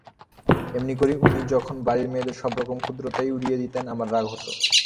এমনি করে উনি যখন বাড়ির মেয়েদের সব রকম ক্ষুদ্রতাই উড়িয়ে দিতেন আমার রাগ হত।